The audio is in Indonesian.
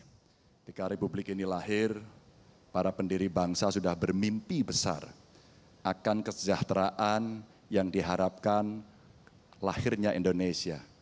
ketika republik ini lahir para pendiri bangsa sudah bermimpi besar akan kesejahteraan yang diharapkan lahirnya indonesia